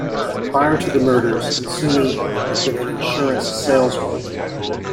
Prior to the murders, Masumi had been an insurance saleswoman.